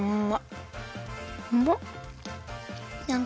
うん！